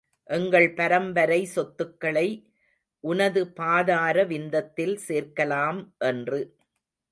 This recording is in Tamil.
எங்கள் பரம்பரை சொத்துக்களை உனது பாதார விந்தத்தில் சேர்க்கலாம் என்று.